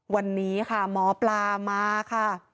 วันนี้ค่ะหมอปลามาค่ะ